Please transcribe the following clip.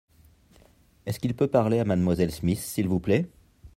Est-ce qu’il peut parler à mademoiselle Smith, s’il vous plait ?